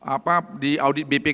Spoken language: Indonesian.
apa di audit bpk